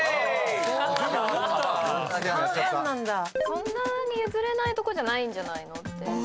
そんなに譲れないとこじゃないんじゃないの？